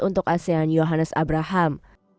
untuk asean yohannes abraham